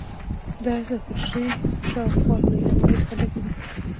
دا حجرې شاوخوا له یو مایع څخه ډکې دي.